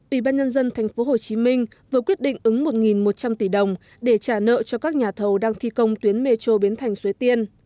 ủy ban nhân dân tp hcm vừa quyết định ứng một một trăm linh tỷ đồng để trả nợ cho các nhà thầu đang thi công tuyến metro biến thành suối tiên